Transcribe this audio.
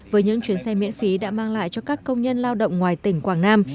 với những chuyến xe miễn phí đã mang lại cho các công nhân lao động ngoài tỉnh quảng nam